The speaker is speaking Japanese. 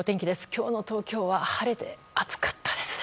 今日の東京は晴れて暑かったですね。